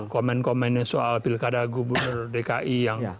komen komennya soal pilkada gubernur dki yang